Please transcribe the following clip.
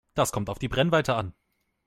Das kommt auf die Brennweite an.